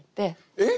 えっ！？